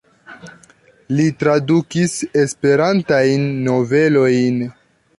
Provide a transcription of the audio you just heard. Li tradukis Esperantajn novelojn.